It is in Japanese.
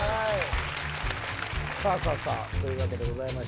さぁさぁというわけでございまして。